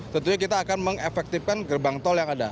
tentunya kita akan mengefektifkan gerbang tol yang ada